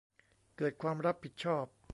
เกิดความรับผิดชอบ